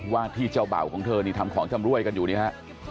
ว่าที่เจ้าเบ่าของเธอนี่ทำของชำรวยกันอยู่นี่ฮะ